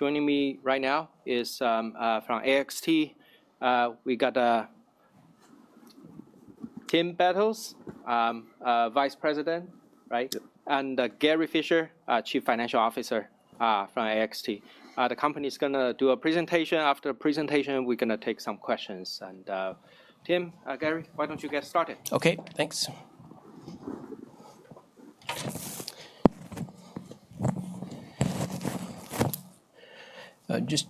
Joining me right now is from AXT. We got Tim Bettles, Vice President, right? Yep. Gary Fischer, Chief Financial Officer from AXT. The company's going to do a presentation. After the presentation, we're going to take some questions. Tim, Gary, why don't you get started? OK, thanks. Just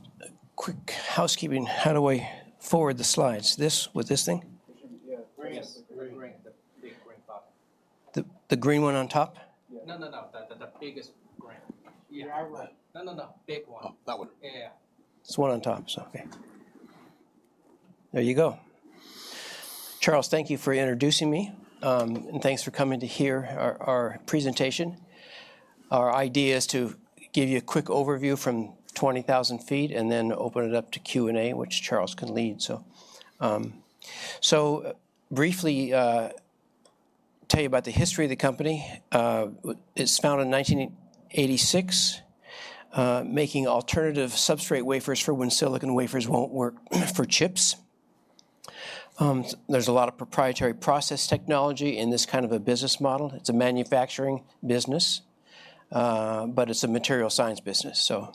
quick housekeeping. How do I forward the slides? This with this thing? Yeah, bring it. Bring it. The big green button. The green one on top? No, no, no. The biggest green. Yeah. No, no, no. Big one. Oh, that one. Yeah. It's the one on top, so OK. There you go. Charles, thank you for introducing me. And thanks for coming to hear our presentation. Our idea is to give you a quick overview from 20,000 feet and then open it up to Q&A, which Charles can lead. So briefly, tell you about the history of the company. It's founded in 1986, making alternative substrate wafers for when silicon wafers won't work for chips. There's a lot of proprietary process technology in this kind of a business model. It's a manufacturing business, but it's a material science business. So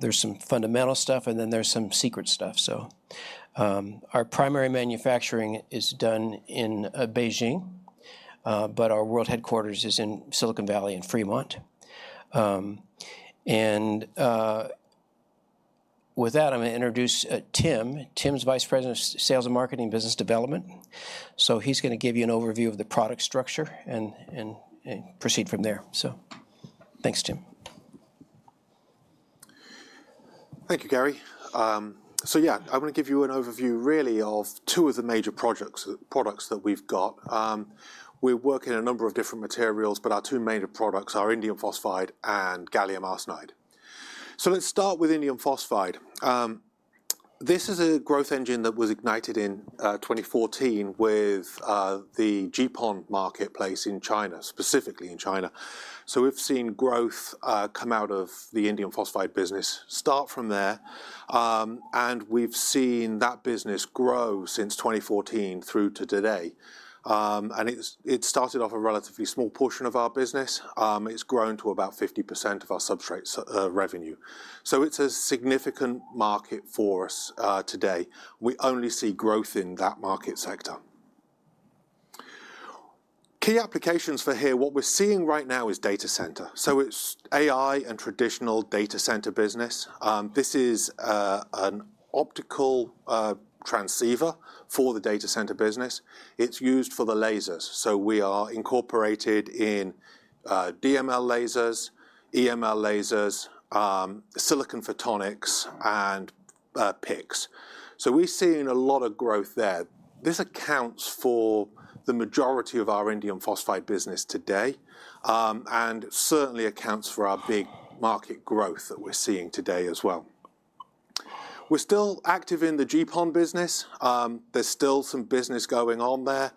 there's some fundamental stuff, and then there's some secret stuff. So our primary manufacturing is done in Beijing, but our world headquarters is in Silicon Valley, in Fremont. And with that, I'm going to introduce Tim. Tim's Vice President of Sales, Marketing, and Business Development. So he's going to give you an overview of the product structure and proceed from there. So thanks, Tim. Thank you, Gary. So yeah, I want to give you an overview, really, of two of the major products that we've got. We work in a number of different materials, but our two main products are Indium Phosphide and gallium arsenide. So let's start with Indium Phosphide. This is a growth engine that was ignited in 2014 with the GPON marketplace in China, specifically in China. So we've seen growth come out of the indium phosphide business. Start from there. And we've seen that business grow since 2014 through to today. And it started off a relatively small portion of our business. It's grown to about 50% of our substrate revenue. So it's a significant market for us today. We only see growth in that market sector. Key applications for here, what we're seeing right now is data center. So it's AI and traditional data center business. This is an optical transceiver for the data center business. It's used for the lasers, so we are incorporated in DML lasers, EML lasers, silicon photonics, and PICs, so we've seen a lot of growth there. This accounts for the majority of our Indium Phosphide business today and certainly accounts for our big market growth that we're seeing today as well. We're still active in the GPON business. There's still some business going on there.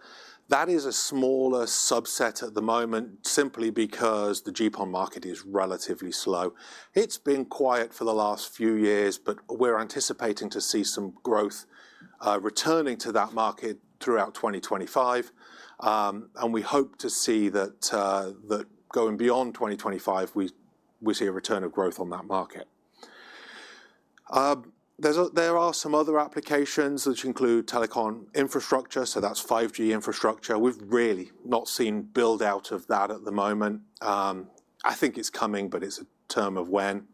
That is a smaller subset at the moment simply because the GPON market is relatively slow. It's been quiet for the last few years, but we're anticipating to see some growth returning to that market throughout 2025, and we hope to see that going beyond 2025, we see a return of growth on that market. There are some other applications, which include telecom infrastructure, so that's 5G infrastructure. We've really not seen build-out of that at the moment. I think it's coming, but it's a matter of when,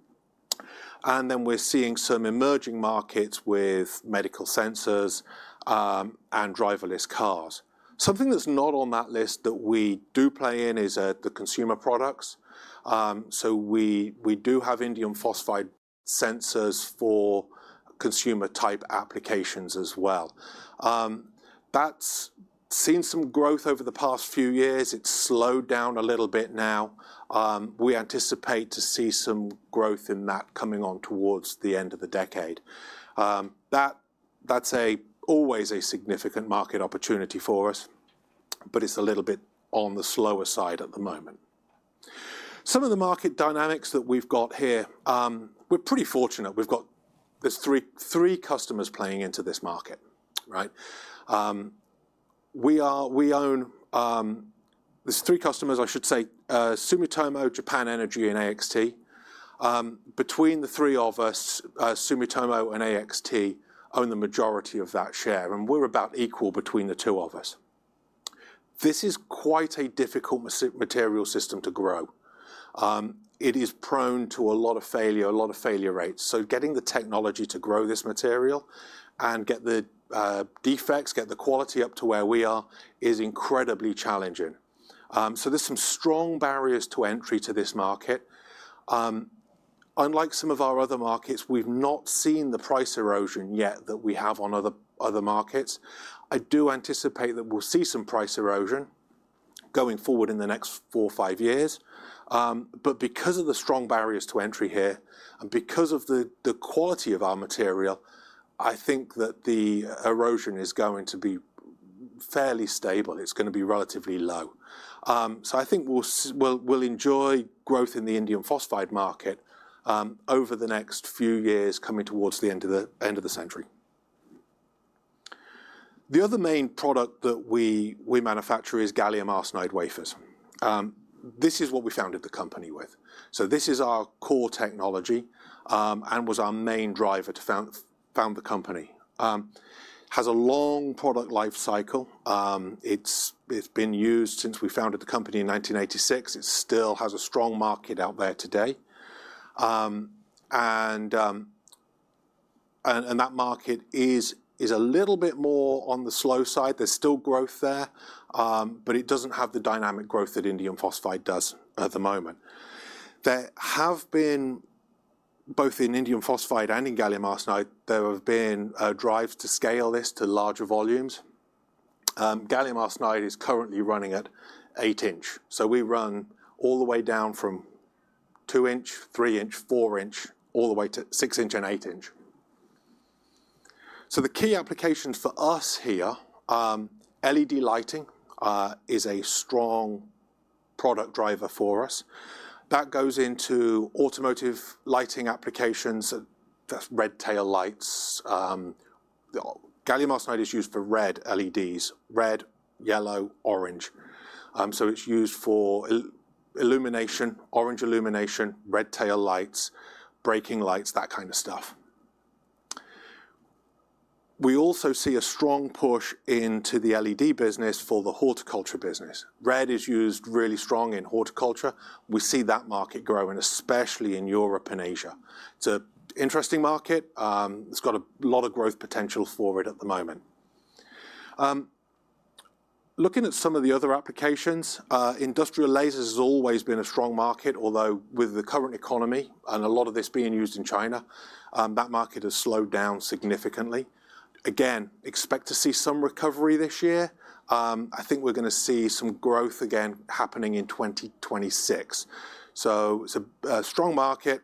and then we're seeing some emerging markets with medical sensors and driverless cars. Something that's not on that list that we do play in is the consumer products. So we do have Indium Phosphide sensors for consumer-type applications as well. That's seen some growth over the past few years. It's slowed down a little bit now. We anticipate to see some growth in that coming on towards the end of the decade. That's always a significant market opportunity for us, but it's a little bit on the slower side at the moment. Some of the market dynamics that we've got here, we're pretty fortunate. There's three customers playing into this market, right? There's three customers, I should say, Sumitomo, Japan Energy, and AXT. Between the three of us, Sumitomo and AXT own the majority of that share. And we're about equal between the two of us. This is quite a difficult material system to grow. It is prone to a lot of failure, a lot of failure rates. So getting the technology to grow this material and get the defects, get the quality up to where we are, is incredibly challenging. So there's some strong barriers to entry to this market. Unlike some of our other markets, we've not seen the price erosion yet that we have on other markets. I do anticipate that we'll see some price erosion going forward in the next four or five years. But because of the strong barriers to entry here and because of the quality of our material, I think that the erosion is going to be fairly stable. It's going to be relatively low. I think we'll enjoy growth in the Indium Phosphide market over the next few years coming towards the end of the century. The other main product that we manufacture is gallium arsenide wafers. This is what we founded the company with. This is our core technology and was our main driver to found the company. It has a long product life cycle. It's been used since we founded the company in 1986. It still has a strong market out there today. That market is a little bit more on the slow side. There's still growth there, but it doesn't have the dynamic growth that Indium Phosphide does at the moment. There have been, both in Indium Phosphide and in gallium arsenide, there have been drives to scale this to larger volumes. Gallium arsenide is currently running at 8-inch. We run all the way down from 2-inch, 3-inch, 4-inch, all the way to 6-inch and 8-inch. The key applications for us here, LED lighting is a strong product driver for us. That goes into automotive lighting applications. That's red tail lights. Gallium arsenide is used for red LEDs, red, yellow, orange. It's used for illumination, orange illumination, red tail lights, braking lights, that kind of stuff. We also see a strong push into the LED business for the horticulture business. Red is used really strong in horticulture. We see that market growing, especially in Europe and Asia. It's an interesting market. It's got a lot of growth potential for it at the moment. Looking at some of the other applications, industrial lasers has always been a strong market, although with the current economy and a lot of this being used in China, that market has slowed down significantly. Again, expect to see some recovery this year. I think we're going to see some growth again happening in 2026. So it's a strong market.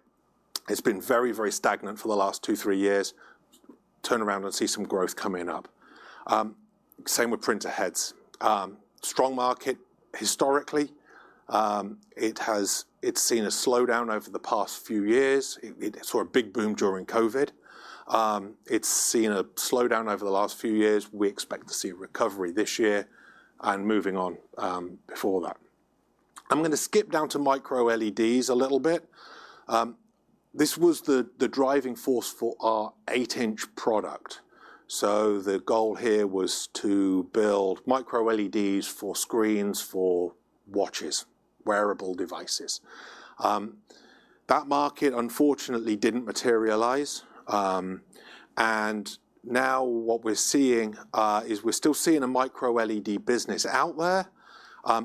It's been very, very stagnant for the last two, three years. Turn around and see some growth coming up. Same with printer heads. Strong market historically. It's seen a slowdown over the past few years. It saw a big boom during COVID. It's seen a slowdown over the last few years. We expect to see a recovery this year and moving on before that. I'm going to skip down to microLEDs a little bit. This was the driving force for our 8-inch product. So the goal here was to build microLEDs for screens, for watches, wearable devices. That market, unfortunately, didn't materialize. And now what we're seeing is we're still seeing a microLED business out there.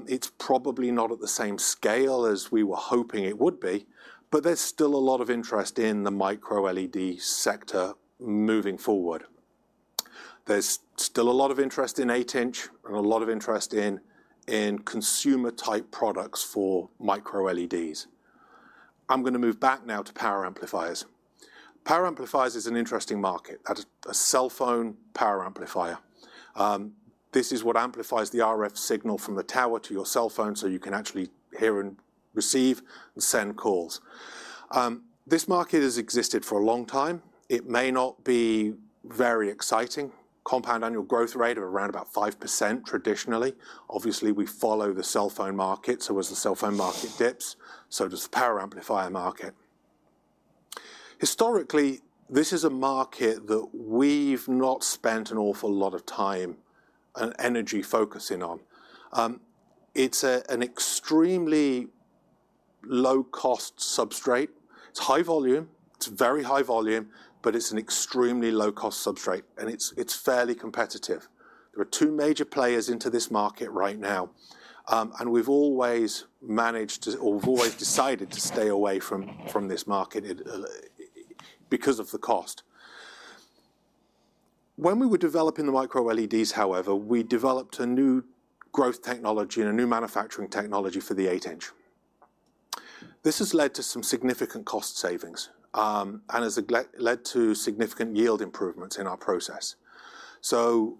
It's probably not at the same scale as we were hoping it would be, but there's still a lot of interest in the microLED sector moving forward. There's still a lot of interest in 8-inch and a lot of interest in consumer-type products for microLEDs. I'm going to move back now to power amplifiers. Power amplifiers is an interesting market. That's a cell phone power amplifier. This is what amplifies the RF signal from the tower to your cell phone so you can actually hear and receive and send calls. This market has existed for a long time. It may not be very exciting. Compound annual growth rate of around about 5% traditionally. Obviously, we follow the cell phone market. So as the cell phone market dips, so does the power amplifier market. Historically, this is a market that we've not spent an awful lot of time and energy focusing on. It's an extremely low-cost substrate. It's high volume. It's very high volume, but it's an extremely low-cost substrate. And it's fairly competitive. There are two major players into this market right now. And we've always managed to, or we've always decided to stay away from this market because of the cost. When we were developing the microLEDs, however, we developed a new growth technology and a new manufacturing technology for the 8-inch. This has led to some significant cost savings and has led to significant yield improvements in our process. So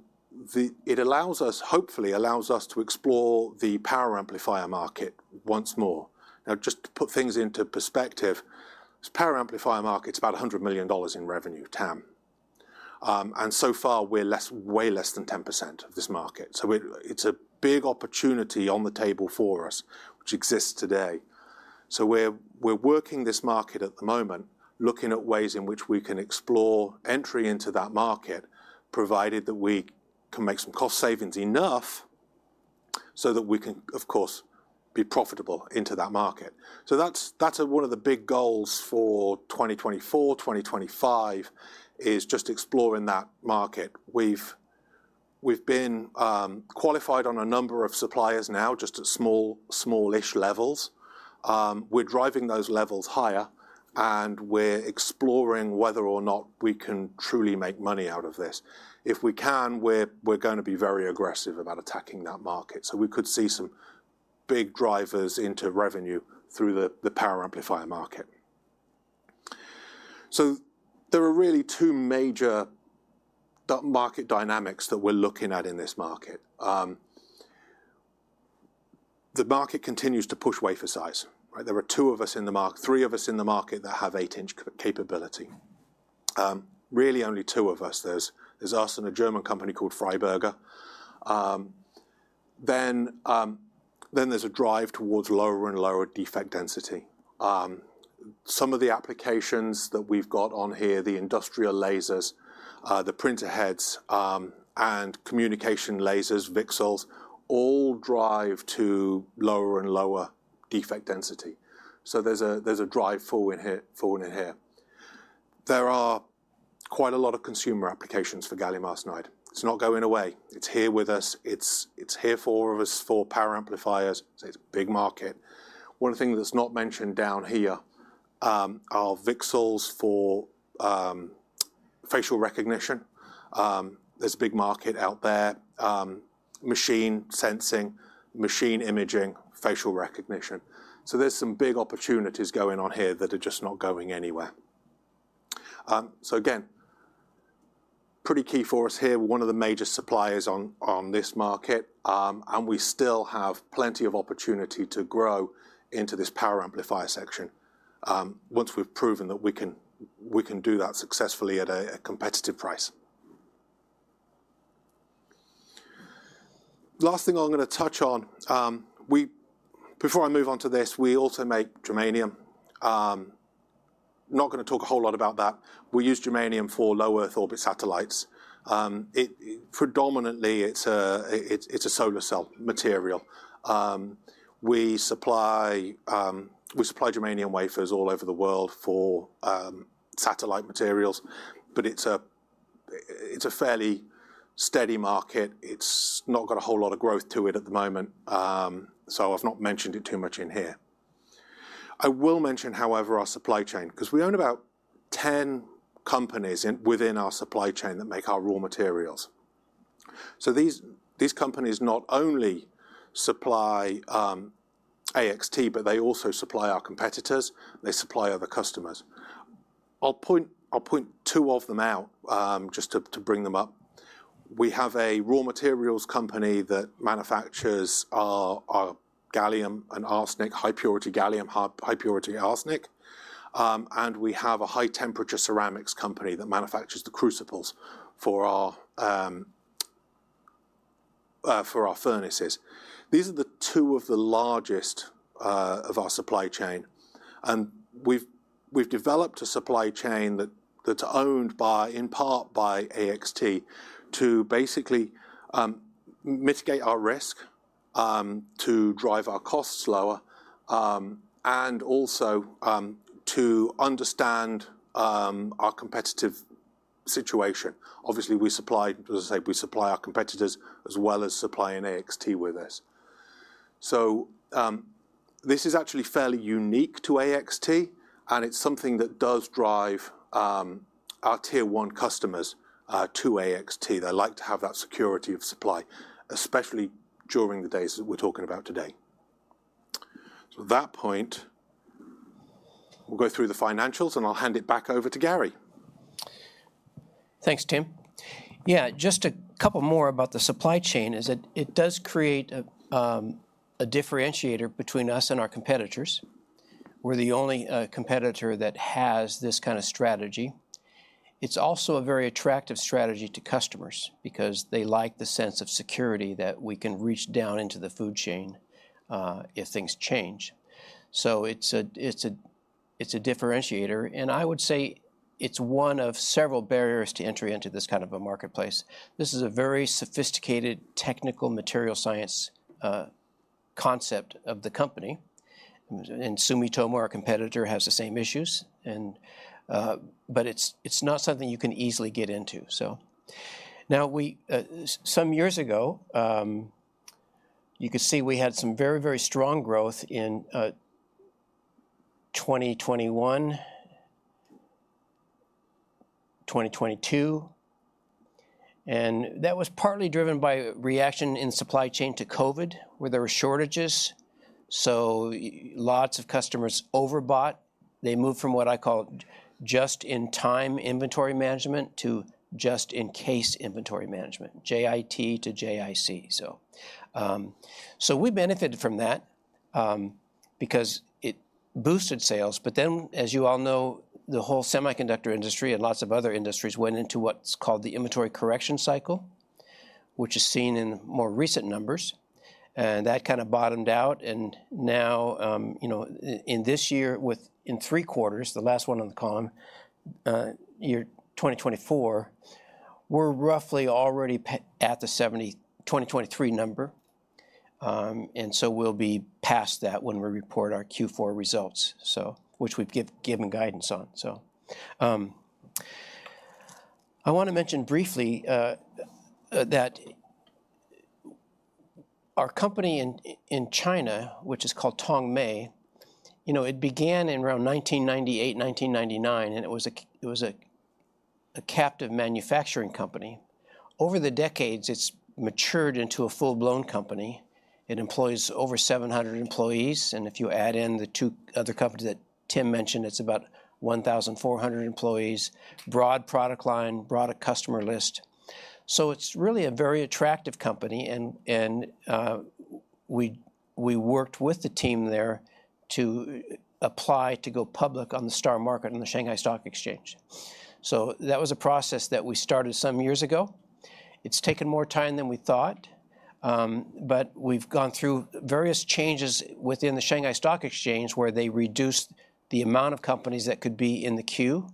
it allows us, hopefully, allows us to explore the power amplifier market once more. Now, just to put things into perspective, this power amplifier market's about $100 million in revenue, TAM. And so far, we're way less than 10% of this market. So it's a big opportunity on the table for us, which exists today. So we're working this market at the moment, looking at ways in which we can explore entry into that market, provided that we can make some cost savings enough so that we can, of course, be profitable into that market. So that's one of the big goals for 2024, 2025, is just exploring that market. We've been qualified on a number of suppliers now, just at smallish levels. We're driving those levels higher, and we're exploring whether or not we can truly make money out of this. If we can, we're going to be very aggressive about attacking that market. So we could see some big drivers into revenue through the power amplifier market. So there are really two major market dynamics that we're looking at in this market. The market continues to push wafer size. There are two of us in the market, three of us in the market that have 8-inch capability. Really, only two of us. There's us and a German company called Freiberger. Then there's a drive towards lower and lower defect density. Some of the applications that we've got on here, the industrial lasers, the printer heads, and communication lasers, VCSELs, all drive to lower and lower defect density. So there's a drive forward here. There are quite a lot of consumer applications for gallium arsenide. It's not going away. It's here with us. It's here for us, for power amplifiers. It's a big market. One thing that's not mentioned down here are VCSELs for facial recognition. There's a big market out there, machine sensing, machine imaging, facial recognition. So there's some big opportunities going on here that are just not going anywhere. So again, pretty key for us here, one of the major suppliers on this market, and we still have plenty of opportunity to grow into this power amplifier section once we've proven that we can do that successfully at a competitive price. Last thing I'm going to touch on, before I move on to this, we also make germanium. Not going to talk a whole lot about that. We use germanium for low Earth orbit satellites. Predominantly, it's a solar cell material. We supply germanium wafers all over the world for satellite materials, but it's a fairly steady market. It's not got a whole lot of growth to it at the moment. So I've not mentioned it too much in here. I will mention, however, our supply chain, because we own about 10 companies within our supply chain that make our raw materials. So these companies not only supply AXT, but they also supply our competitors. They supply other customers. I'll point two of them out just to bring them up. We have a raw materials company that manufactures our gallium and arsenic, high-purity gallium, high-purity arsenic. And we have a high-temperature ceramics company that manufactures the crucibles for our furnaces. These are the two of the largest of our supply chain. And we've developed a supply chain that's owned in part by AXT to basically mitigate our risk, to drive our costs lower, and also to understand our competitive situation. Obviously, as I say, we supply our competitors as well as supplying AXT with this. This is actually fairly unique to AXT, and it's something that does drive our tier one customers to AXT. They like to have that security of supply, especially during the days that we're talking about today. At that point, we'll go through the financials, and I'll hand it back over to Gary. Thanks, Tim. Yeah, just a couple more about the supply chain is that it does create a differentiator between us and our competitors. We're the only competitor that has this kind of strategy. It's also a very attractive strategy to customers because they like the sense of security that we can reach down into the supply chain if things change. So it's a differentiator. And I would say it's one of several barriers to entry into this kind of a marketplace. This is a very sophisticated technical material science concept of the company. Sumitomo, our competitor, has the same issues. But it's not something you can easily get into. Some years ago, you could see we had some very, very strong growth in 2021, 2022. That was partly driven by a reaction in supply chain to COVID, where there were shortages. Lots of customers overbought. They moved from what I call just-in-time inventory management to just-in-case inventory management, JIT to JIC. We benefited from that because it boosted sales. But then, as you all know, the whole semiconductor industry and lots of other industries went into what's called the inventory correction cycle, which is seen in more recent numbers. That kind of bottomed out. Now, in this year, in three quarters, the last one on the column, year 2024, we're roughly already at the 2023 number. And so we'll be past that when we report our Q4 results, which we've given guidance on. So I want to mention briefly that our company in China, which is called Tongmei, it began in around 1998, 1999, and it was a captive manufacturing company. Over the decades, it's matured into a full-blown company. It employs over 700 employees. And if you add in the two other companies that Tim mentioned, it's about 1,400 employees, broad product line, broader customer list. So it's really a very attractive company. And we worked with the team there to apply to go public on the STAR Market on the Shanghai Stock Exchange. So that was a process that we started some years ago. It's taken more time than we thought. We've gone through various changes within the Shanghai Stock Exchange where they reduced the amount of companies that could be in the queue.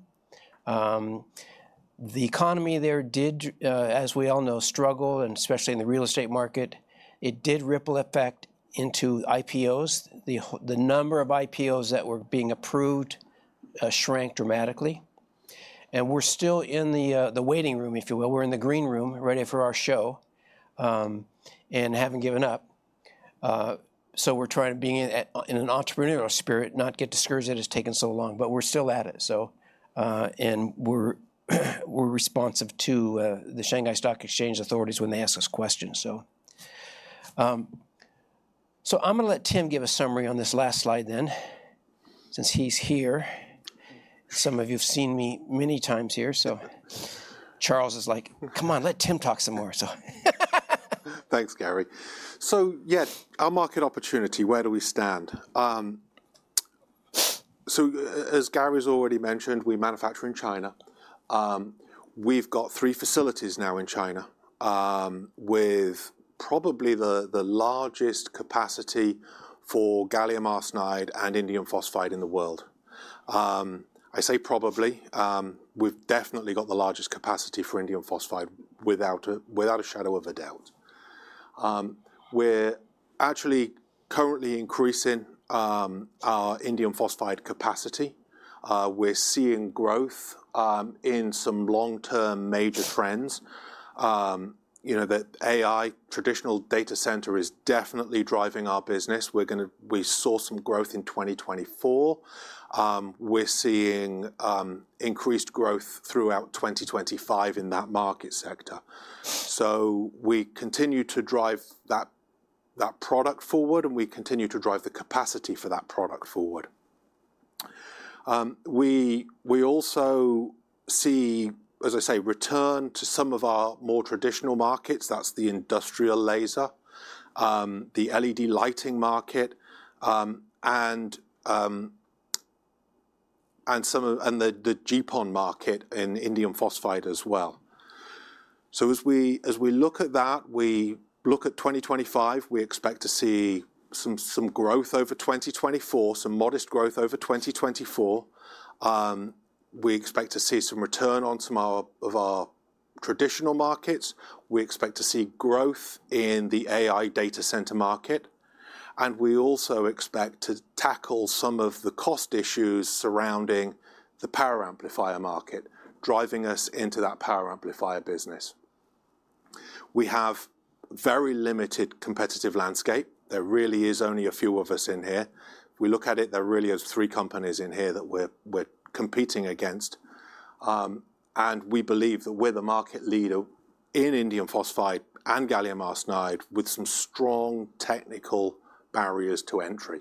The economy there did, as we all know, struggle, and especially in the real estate market, it did ripple effect into IPOs. The number of IPOs that were being approved shrank dramatically. We're still in the waiting room, if you will. We're in the green room ready for our show and haven't given up. We're trying to be in an entrepreneurial spirit, not get discouraged that it's taken so long, but we're still at it. We're responsive to the Shanghai Stock Exchange authorities when they ask us questions. I'm going to let Tim give a summary on this last slide then, since he's here. Some of you have seen me many times here. So Charles is like, "Come on, let Tim talk some more." Thanks, Gary. So yeah, our market opportunity, where do we stand? So as Gary's already mentioned, we manufacture in China. We've got three facilities now in China with probably the largest capacity for gallium arsenide and indium phosphide in the world. I say probably. We've definitely got the largest capacity for indium phosphide without a shadow of a doubt. We're actually currently increasing our indium phosphide capacity. We're seeing growth in some long-term major trends. The AI traditional data center is definitely driving our business. We saw some growth in 2024. We're seeing increased growth throughout 2025 in that market sector. So we continue to drive that product forward, and we continue to drive the capacity for that product forward. We also see, as I say, return to some of our more traditional markets. That's the industrial laser, the LED lighting market, and the GPON market in indium phosphide as well. So as we look at that, we look at 2025, we expect to see some growth over 2024, some modest growth over 2024. We expect to see some return on some of our traditional markets. We expect to see growth in the AI data center market. And we also expect to tackle some of the cost issues surrounding the power amplifier market, driving us into that power amplifier business. We have very limited competitive landscape. There really is only a few of us in here. We look at it, there really are three companies in here that we're competing against. And we believe that we're the market leader in indium phosphide and gallium arsenide with some strong technical barriers to entry.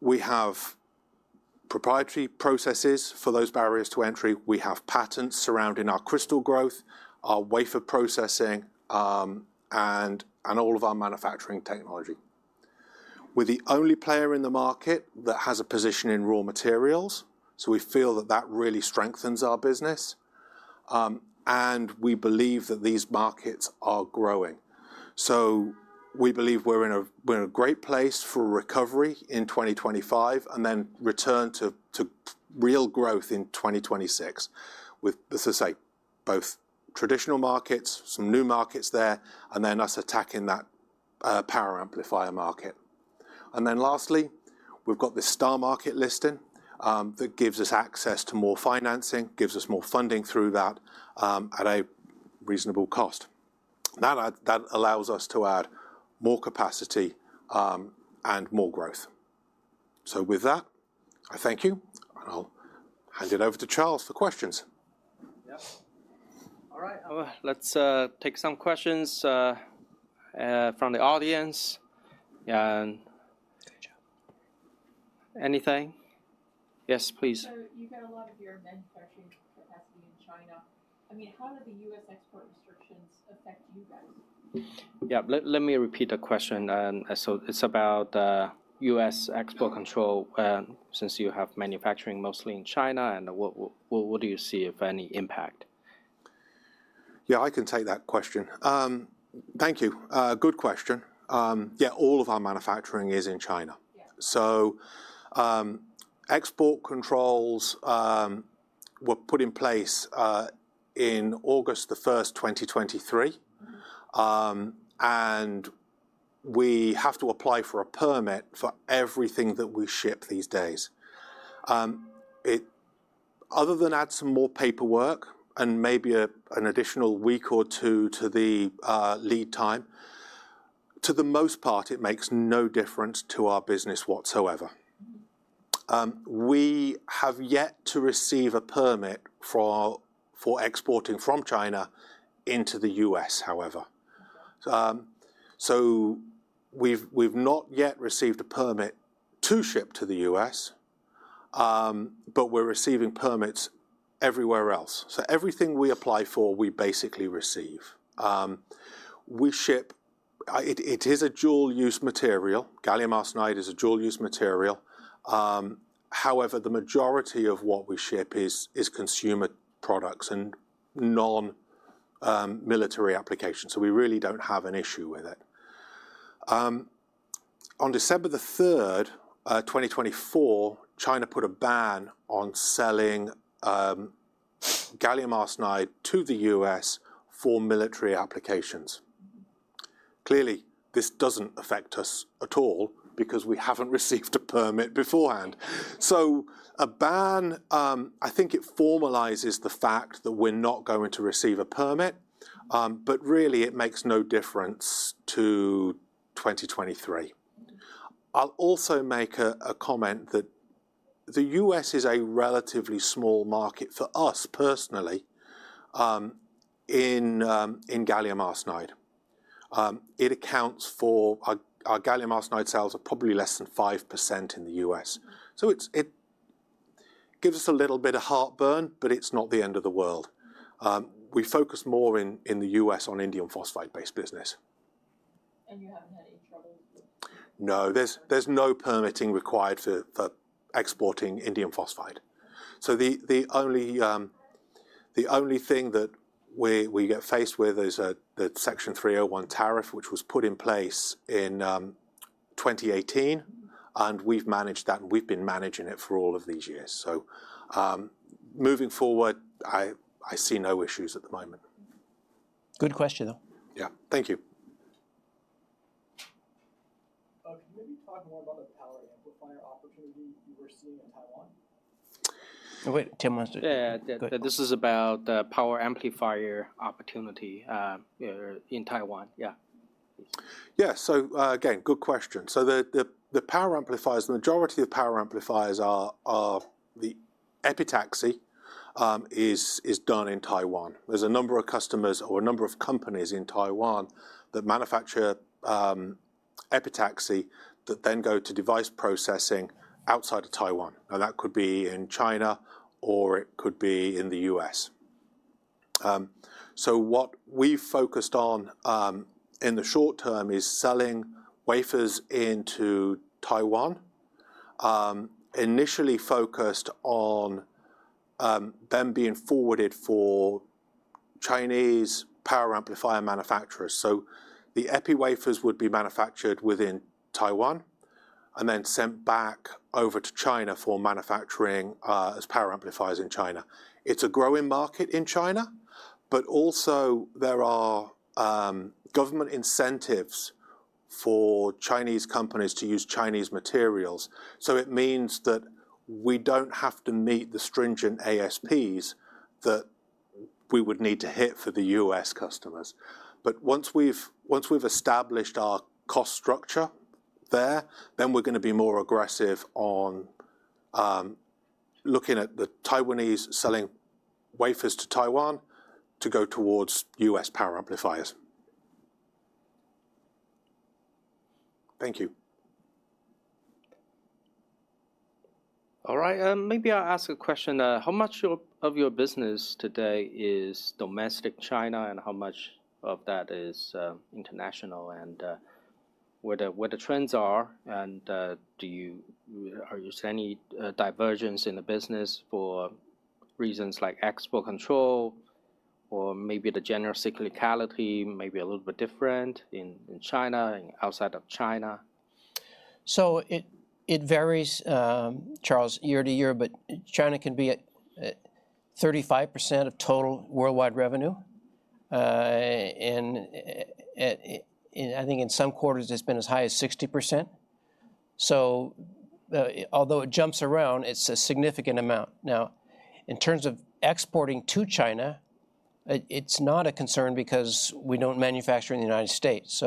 We have proprietary processes for those barriers to entry. We have patents surrounding our crystal growth, our wafer processing, and all of our manufacturing technology. We're the only player in the market that has a position in raw materials. So we feel that that really strengthens our business. And we believe that these markets are growing. So we believe we're in a great place for recovery in 2025 and then return to real growth in 2026 with, as I say, both traditional markets, some new markets there, and then us attacking that power amplifier market. And then lastly, we've got this STAR Market listing that gives us access to more financing, gives us more funding through that at a reasonable cost. That allows us to add more capacity and more growth. So with that, I thank you. And I'll hand it over to Charles for questions. Yep. All right. Let's take some questions from the audience. Anything? Yes, please. So you've got a lot of your manufacturing capacity in China. I mean, how did the U.S. export restrictions affect you guys? Yeah, let me repeat the question. So it's about U.S. export control since you have manufacturing mostly in China. And what do you see if any impact? Yeah, I can take that question. Thank you. Good question. Yeah, all of our manufacturing is in China. So export controls were put in place in August the 1st, 2023. And we have to apply for a permit for everything that we ship these days. Other than adding some more paperwork and maybe an additional week or two to the lead time, for the most part, it makes no difference to our business whatsoever. We have yet to receive a permit for exporting from China into the U.S., however. So we've not yet received a permit to ship to the U.S., but we're receiving permits everywhere else. So everything we apply for, we basically receive. It is a dual-use material. Gallium arsenide is a dual-use material. However, the majority of what we ship is consumer products and non-military applications. So we really don't have an issue with it. On December the 3rd, 2024, China put a ban on selling gallium arsenide to the U.S. for military applications. Clearly, this doesn't affect us at all because we haven't received a permit beforehand. So a ban, I think it formalizes the fact that we're not going to receive a permit, but really, it makes no difference to 2023. I'll also make a comment that the U.S. is a relatively small market for us personally in gallium arsenide. It accounts for our gallium arsenide sales are probably less than 5% in the US. So it gives us a little bit of heartburn, but it's not the end of the world. We focus more in the US on indium phosphide-based business. And you haven't had any trouble? No, there's no permitting required for exporting indium phosphide. So the only thing that we get faced with is the Section 301 tariff, which was put in place in 2018. And we've managed that, and we've been managing it for all of these years. So moving forward, I see no issues at the moment. Good question, though. Yeah, thank you. Can you maybe talk more about the power amplifier opportunity you were seeing in Taiwan? Wait, Tim wants to. This is about the power amplifier opportunity in Taiwan. Yeah. Yeah, so again, good question. So the power amplifiers, the majority of power amplifiers are the epitaxy is done in Taiwan. There's a number of customers or a number of companies in Taiwan that manufacture epitaxy that then go to device processing outside of Taiwan. And that could be in China or it could be in the U.S. So what we've focused on in the short term is selling wafers into Taiwan, initially focused on them being forwarded for Chinese power amplifier manufacturers. So the epi wafers would be manufactured within Taiwan and then sent back over to China for manufacturing as power amplifiers in China. It's a growing market in China, but also there are government incentives for Chinese companies to use Chinese materials. So it means that we don't have to meet the stringent ASPs that we would need to hit for the U.S. customers. But once we've established our cost structure there, then we're going to be more aggressive on looking at the Taiwanese selling wafers to Taiwan to go towards U.S. power amplifiers. Thank you. All right. Maybe I'll ask a question. How much of your business today is domestic China and how much of that is international and where the trends are? And are you seeing any divergence in the business for reasons like export control or maybe the general cyclicality, maybe a little bit different in China, outside of China? So it varies, Charles, year to year, but China can be at 35% of total worldwide revenue. And I think in some quarters, it's been as high as 60%. So although it jumps around, it's a significant amount. Now, in terms of exporting to China, it's not a concern because we don't manufacture in the United States.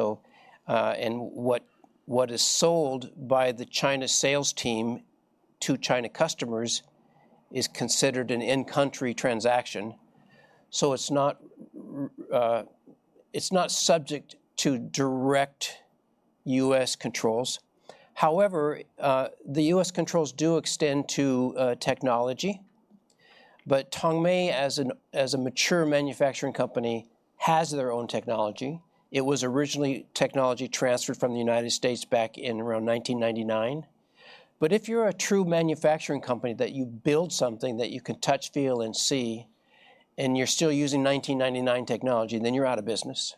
What is sold by the China sales team to China customers is considered an in-country transaction. So it's not subject to direct U.S. controls. However, the U.S. controls do extend to technology. But Tongmei, as a mature manufacturing company, has their own technology. It was originally technology transferred from the United States back in around 1999. But if you're a true manufacturing company that you build something that you can touch, feel, and see, and you're still using 1999 technology, then you're out of business.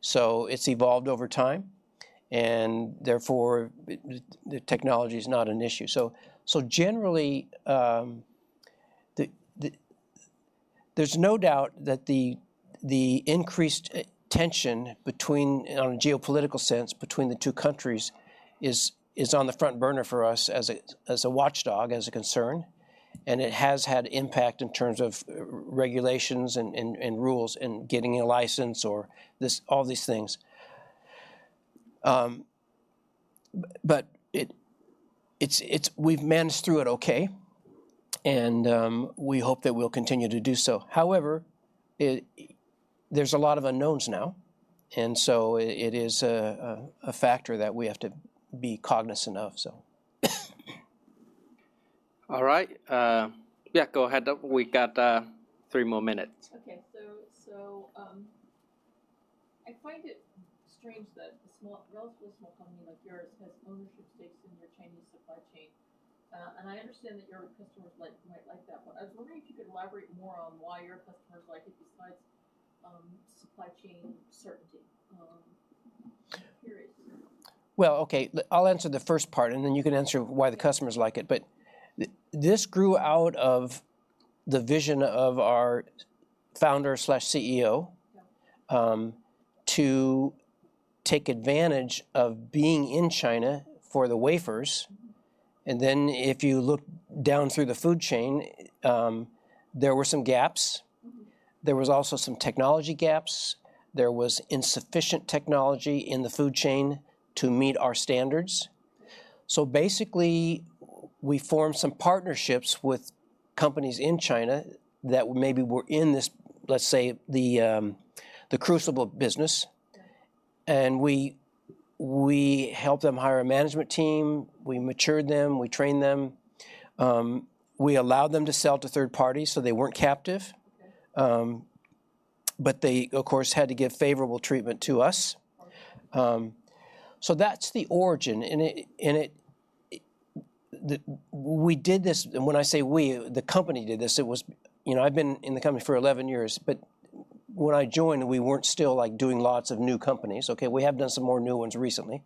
So it's evolved over time. And therefore, the technology is not an issue. So generally, there's no doubt that the increased tension on a geopolitical sense between the two countries is on the front burner for us as a watchdog, as a concern. And it has had impact in terms of regulations and rules and getting a license or all these things. But we've managed through it okay. And we hope that we'll continue to do so. However, there's a lot of unknowns now. And so it is a factor that we have to be cognizant of, so. All right. Yeah, go ahead. We got three more minutes. Okay. So I find it strange that a relatively small company like yours has ownership stakes in your Chinese supply chain. And I understand that your customers might like that. But I was wondering if you could elaborate more on why your customers like it besides supply chain certainty. Curious. Well, okay. I'll answer the first part, and then you can answer why the customers like it. But this grew out of the vision of our founder/CEO to take advantage of being in China for the wafers. And then if you look down through the supply chain, there were some gaps. There were also some technology gaps. There was insufficient technology in the supply chain to meet our standards. So basically, we formed some partnerships with companies in China that maybe were in this, let's say, the crucible business. And we helped them hire a management team. We matured them. We trained them. We allowed them to sell to third parties, so they weren't captive. But they, of course, had to give favorable treatment to us. So that's the origin. And we did this. And when I say we, the company did this. I've been in the company for 11 years. But when I joined, we weren't still doing lots of new companies. Okay, we have done some more new ones recently.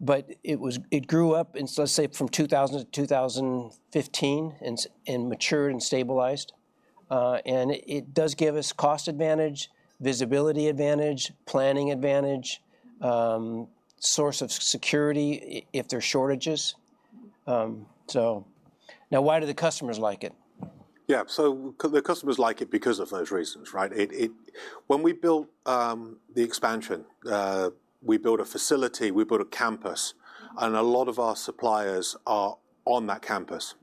But it grew up, let's say, from 2000 to 2015 and matured and stabilized. It does give us cost advantage, visibility advantage, planning advantage, source of security if there are shortages. Now, why do the customers like it? Yeah, so the customers like it because of those reasons, right? When we built the expansion, we built a facility. We built a campus. A lot of our suppliers are on that campus.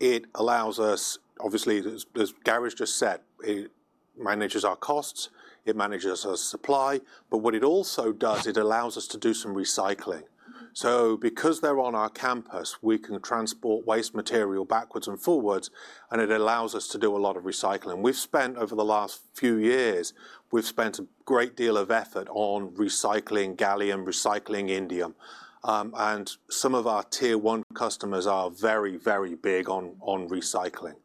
It allows us, obviously, as Gary just said, it manages our costs. It manages our supply. But what it also does, it allows us to do some recycling. Because they're on our campus, we can transport waste material backwards and forwards. It allows us to do a lot of recycling. We've spent over the last few years, we've spent a great deal of effort on recycling gallium, recycling indium. Some of our tier-one customers are very, very big on recycling.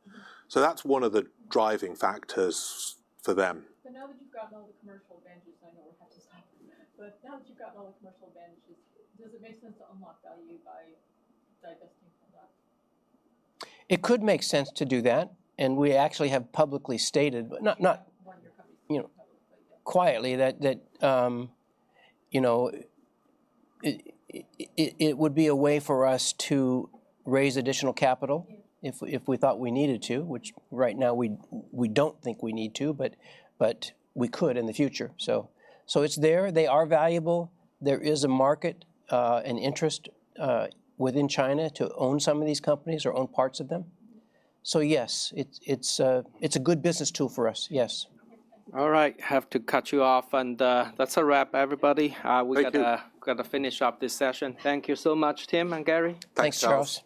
So that's one of the driving factors for them. So now that you've gotten all the commercial advantages, I know we're halfway through. But now that you've gotten all the commercial advantages, does it make sense to unlock value by divesting from that? It could make sense to do that. And we actually have publicly stated one of your companies publicly quietly that it would be a way for us to raise additional capital if we thought we needed to, which right now we don't think we need to, but we could in the future. So it's there. They are valuable. There is a market and interest within China to own some of these companies or own parts of them. So yes, it's a good business tool for us. Yes. All right. Have to cut you off. And that's a wrap, everybody. We got to finish up this session. Thank you so much, Tim and Gary. Thanks, Charles.